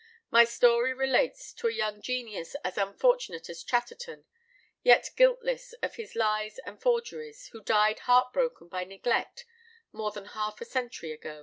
My story relates to a young genius as unfortunate as Chatterton, yet guiltless of his lies and forgeries, who died heart broken by neglect more than half a century ago.